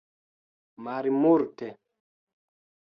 Malmulte